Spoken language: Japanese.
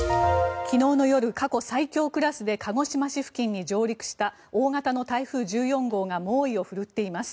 昨日の夜、過去最強クラスで鹿児島市付近に上陸した大型の台風１４号が猛威を振るっています。